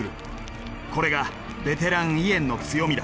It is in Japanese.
これがベテランイエンの強みだ。